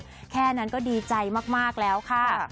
แค่นั้นก็ดีใจมากแล้วค่ะ